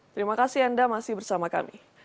terima kasih anda masih bersama kami